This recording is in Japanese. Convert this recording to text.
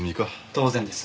当然です。